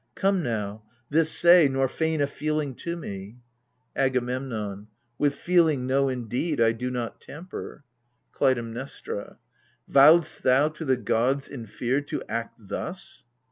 Come now, this say, nor feign a feeling to me 1 AGAMEMNOX, 7$ AGAMEMNON. With feeling, know indeed, I do not tamper ! KLUTAIMNESTRA. Vowedst thou to the gods, in fear, to act thus